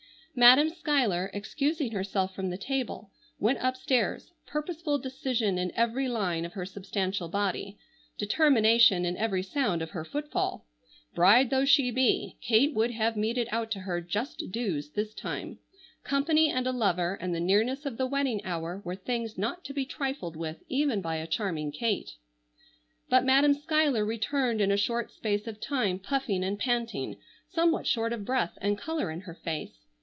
Madam Schuyler, excusing herself from the table, went upstairs, purposeful decision in every line of her substantial body, determination in every sound of her footfall. Bride though she be, Kate would have meted out to her just dues this time. Company and a lover and the nearness of the wedding hour were things not to be trifled with even by a charming Kate. But Madam Schuyler returned in a short space of time, puffing and panting, somewhat short of breath, and color in her face.